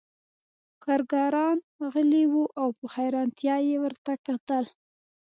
کارګران غلي وو او په حیرانتیا یې ورته کتل